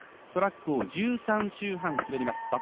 トラックを１３周半滑ります。